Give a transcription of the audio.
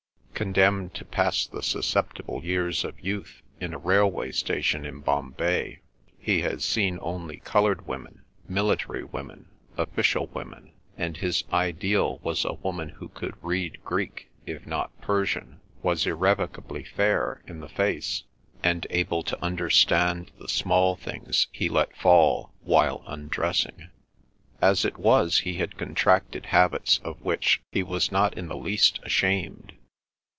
Condemned to pass the susceptible years of youth in a railway station in Bombay, he had seen only coloured women, military women, official women; and his ideal was a woman who could read Greek, if not Persian, was irreproachably fair in the face, and able to understand the small things he let fall while undressing. As it was he had contracted habits of which he was not in the least ashamed.